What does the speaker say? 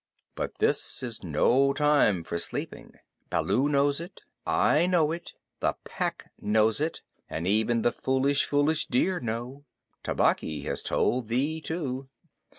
"But this is no time for sleeping. Baloo knows it; I know it; the Pack know it; and even the foolish, foolish deer know. Tabaqui has told thee too."